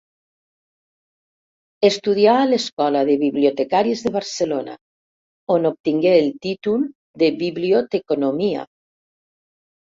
Estudià a l'Escola de Bibliotecàries de Barcelona, on obtingué el títol de Biblioteconomia.